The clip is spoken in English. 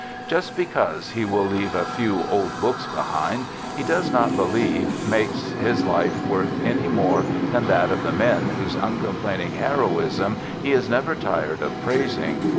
Just because he will leave a few " old books " behind, he does not believe makes his life worth any more than that of the men whose uncomplaining heroism he is never tired of praising.